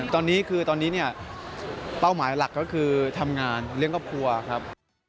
ตอนนี้เป้าหมายหลักก็คือทำงานเลี้ยงครอบครัวครับ